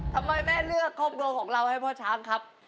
ทำไมแม่เลือกครอบครัวของเราให้พ่อช้างครับ